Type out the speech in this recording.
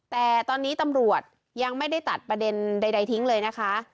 แต่ตอนนี้ตำรวจยังไม่ได้ตัดประเด็นใดทิ้งเลยนะคะ